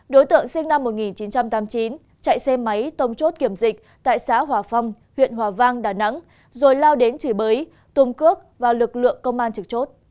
đối tượng sinh năm một nghìn chín trăm tám mươi chín chạy xe máy tông chốt kiểm dịch tại xã hòa phong huyện hòa vang đà nẵng rồi lao đến chỉ bới tung cước vào lực lượng công an trực chốt